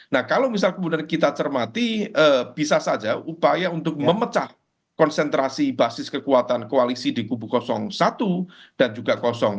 nah kalau misal kemudian kita cermati bisa saja upaya untuk memecah konsentrasi basis kekuatan koalisi di kubu satu dan juga dua